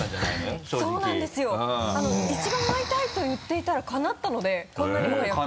はいそうなんですよ！一番会いたいと言っていたらかなったのでこんなにも早く。